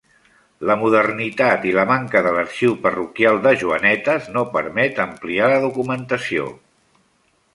La modernitat i la manca de l'arxiu parroquial de Joanetes no permet ampliar la documentació.